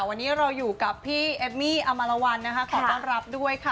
วันนี้เราอยู่กับพี่เอมมี่อมารวัลนะคะขอต้อนรับด้วยค่ะ